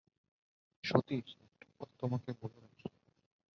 সতীশ, একটা কথা তোমাকে বলে রাখি।